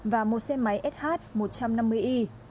và một xe máy sh một trăm năm mươi y